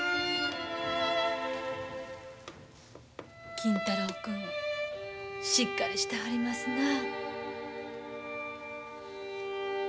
金太郎君しっかりしてはりますなあ。